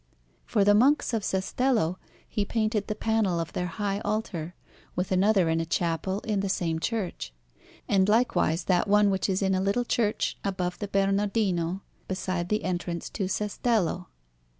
For the Monks of Cestello he painted the panel of their high altar, with another in a chapel in the same church; and likewise that one which is in a little church above the Bernardino, beside the entrance to Cestello.